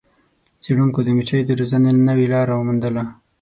څیړونکو د مچیو د روزنې نوې لاره وموندله.